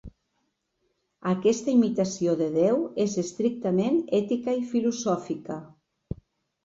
Aquesta imitació de Déu és estrictament ètica i filosòfica.